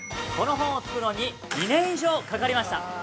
この本を作るのに、２年以上かかりました。